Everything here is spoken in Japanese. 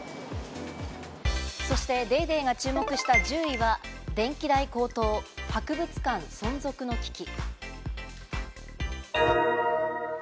そして『ＤａｙＤａｙ．』が注目した１０位は、電気代高騰、博物館存続の危機。